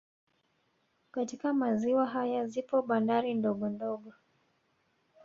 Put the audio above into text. Katika maziwa haya zipo bandari ndogo ndogo